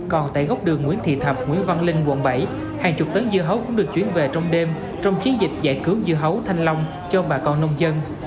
còn tại gốc đường nguyễn thị thập nguyễn văn linh quận bảy hàng chục tấn dưa hấu cũng được chuyển về trong đêm trong chiến dịch giải cứu dưa hấu thanh long cho bà con nông dân